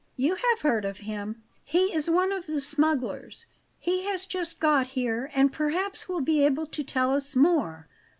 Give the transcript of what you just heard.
"You have heard of him; he is one of the smugglers. He has just got here, and perhaps will be able to tell us more.